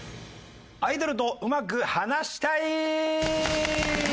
アイドルと上手く話したい！